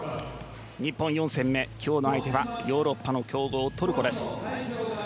日本、４戦目今日の相手はヨーロッパの強豪・トルコです。